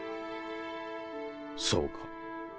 そうか。